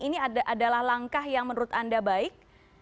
ini adalah langkah yang menurut anda baik